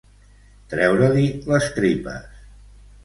Treure-li les tripes.